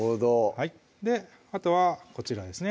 あとはこちらですね